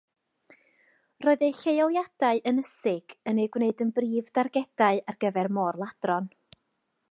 Roedd eu lleoliadau ynysig yn eu gwneud yn brif dargedau ar gyfer môr-ladron.